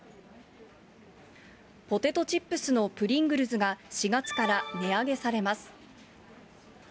ポテトチップスのプリングルズが、４月から値上げされます。